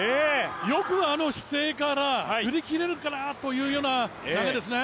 よくあの姿勢から振りきれるかなというような投げですね。